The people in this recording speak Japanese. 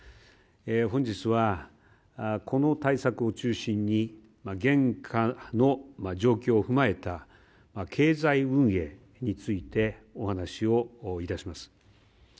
本日は、この対策を中心に現下の状況を踏まえた経済運営についてお話をいたします。